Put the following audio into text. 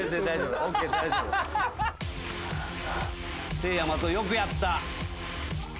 せいや松尾よくやった。